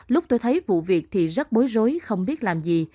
lúc tôi thấy vụ việc thì rất bối rối không biết làm gì